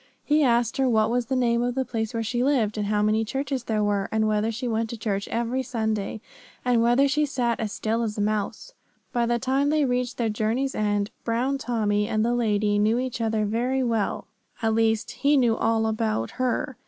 He asked her what was the name of the place where she lived, and how many churches there were, and whether she went to church every Sunday, and whether she sat as still as a mouse. By the time they reached their journey's end, Brown Tommy and the lady knew each other very well; at least, he knew all about her.